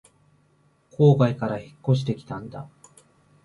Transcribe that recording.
郊外から引っ越してきたんだ